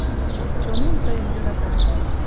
Чонем тыйым йӧрата.